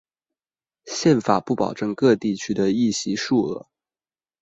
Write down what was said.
宪法不保证各地区的议席数额。